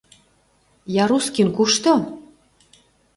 — Ярускин кушто?